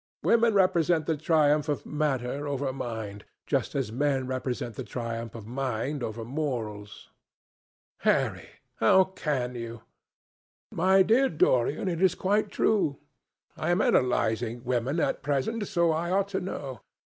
Women represent the triumph of matter over mind, just as men represent the triumph of mind over morals." "Harry, how can you?" "My dear Dorian, it is quite true. I am analysing women at present, so I ought to know.